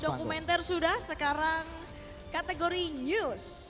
ya tadi dokumenter sudah sekarang kategori news